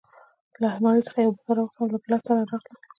له المارۍ څخه یې یو بوتل راواخیست او له ګیلاس سره راغلل.